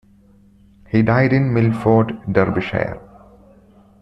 He died in Milford, Derbyshire.